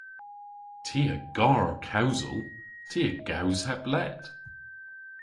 Ty a gar kewsel. Ty a gews heb lett.